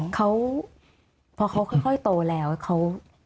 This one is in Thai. เขาพอเขาค่อยโตแล้วเขา